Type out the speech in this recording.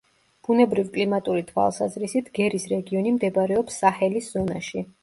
ბუნებრივ-კლიმატური თვალსაზრისით გერის რეგიონი მდებარეობს საჰელის ზონაში.